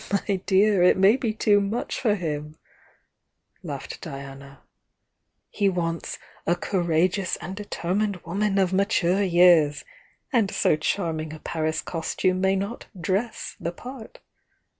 "But, my dear, it may be too much for him!" laughed Diana. "He wants 'a courageous and deter mined woman of mature years,' — and so charming a Paris costume may not 'dress' the part!"